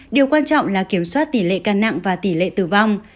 điều quan trọng là kiểm soát tỉ lệ ca nặng và tỉ lệ tử vong